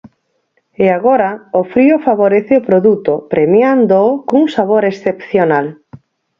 E agora, o frío favorece o produto premiándoo cun sabor excepcional.